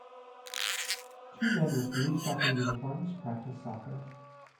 Two men with blue soccer uniforms practice soccer.